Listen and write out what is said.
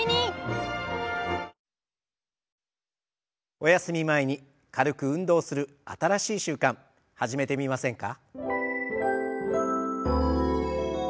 おやすみ前に軽く運動する新しい習慣始めてみませんか？